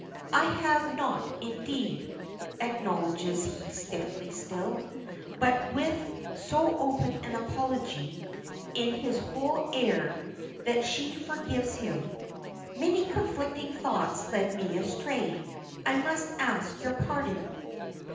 "I have not indeed," acknowledges he stiffly still, but with so open an apology in his whole air that she forgives him. "Many conflicting thoughts led me astray. I must ask your pardon."